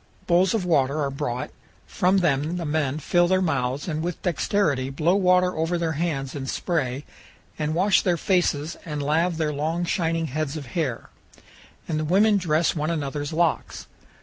Bowls of water are brought; from them the men fill their mouths and with dexterity blow water over their hands in spray and wash their faces and lave their long shining heads of hair; and the women dress one another's locks.